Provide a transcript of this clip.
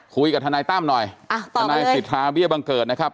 คุยกับทนายตั้มหน่อยอ่ะตอบมาเลยทนายสิทธาเบี้ยบังเกิดนะครับ